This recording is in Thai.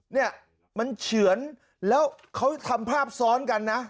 เนี่ยมันเฉือนแล้วเขาทำภาพซ้อนกันนะ